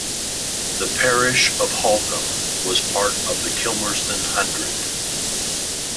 The parish of Holcombe was part of the Kilmersdon Hundred.